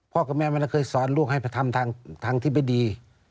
กับแม่ไม่ได้เคยสอนลูกให้ไปทำทางที่ไม่ดี